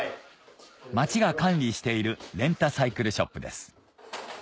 町が管理しているレンタサイクルショップです